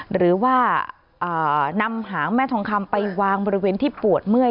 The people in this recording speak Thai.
หรือว่านำหางแม่ทองคำไปวางบริเวณที่ปวดเมื่อย